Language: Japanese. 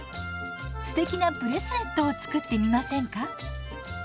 すてきなブレスレットを作ってみませんか？